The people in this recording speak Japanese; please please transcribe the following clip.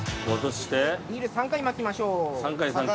◆３回巻きましょう。